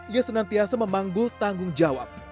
ia senantiasa memanggul tanggung jawab